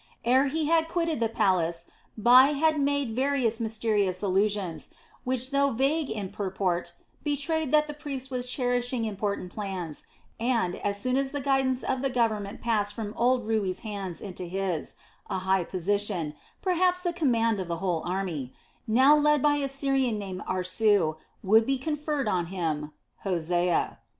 Ere he had quitted the palace, Bai had made various mysterious allusions, which though vague in purport, betrayed that the priest was cherishing important plans and, as soon as the guidance of the government passed from old Rui's hands into his, a high position, perhaps the command of the whole army, now led by a Syrian named Aarsu, would be conferred on him, Hosea.